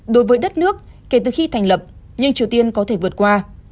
đối với đất nước kể từ khi thành lập nhưng triều tiên có thể vượt qua